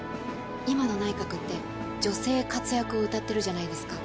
今の内閣って女性活躍をうたってるじゃないですか。